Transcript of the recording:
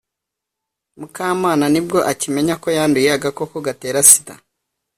mukamana nibwo akimenya ko yanduye agakoko gatera sida.